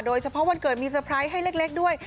โดยเฉพาะวันเกิดมีสไพรส์ให้เล็กด้วย